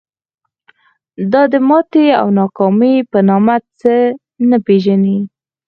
دا د ماتې او ناکامۍ په نامه څه نه پېژني.